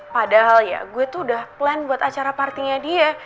padahal ya gue tuh udah plan buat acara party nya dia